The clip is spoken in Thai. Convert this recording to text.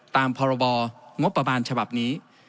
ตามพรบงบประมาณฉบับนี้